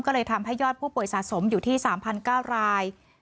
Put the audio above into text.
ก็เลยทำให้ยอดผู้ป่วยสะสมอยู่ที่๓๙ราย